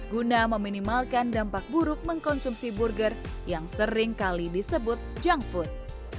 guna meminimalkan dampak buruk mengkonsumsi burger yang seringkali disebut junk food